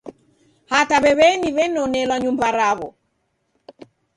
Hata w'ew'eni w'enonelwa nyumba raw'o.